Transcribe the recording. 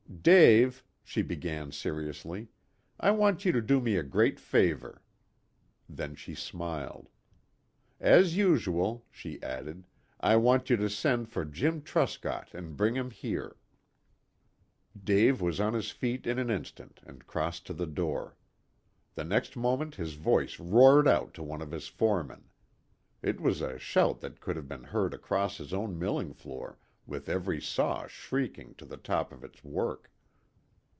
"Dave," she began seriously, "I want you to do me a great favor." Then she smiled. "As usual," she added. "I want you to send for Jim Truscott and bring him here." Dave was on his feet in an instant and crossed to the door. The next moment his voice roared out to one of his foremen. It was a shout that could have been heard across his own milling floor with every saw shrieking on the top of its work.